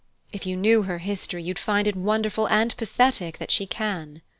If you knew her history you'd find it wonderful and pathetic that she can!"